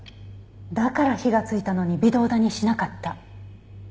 だから火がついたのに微動だにしなかった。